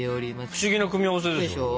不思議な組み合わせですね。